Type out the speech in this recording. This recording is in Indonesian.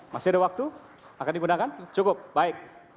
masih ada waktu akan digunakan cukup baik